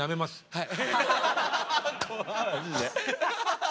はい。